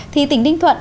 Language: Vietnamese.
thì tỉnh ninh thuận